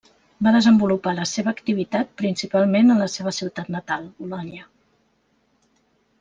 Va desenvolupar la seva activitat principalment en la seva ciutat natal, Bolonya.